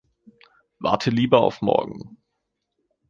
Warte lieber auf morgen.